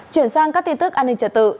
chuyển sang các tin tức an ninh trả tự